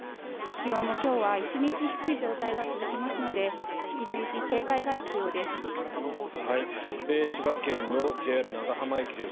気温も今日は１日低い状態が続きますので引き続き警戒が必要です。